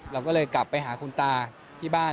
เราก็เลยกลับไปหาคุณตาที่บ้าน